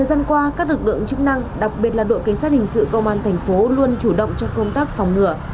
dân qua các lực lượng chức năng đặc biệt là đội cảnh sát hình sự công an thành phố luôn chủ động cho công tác phòng ngừa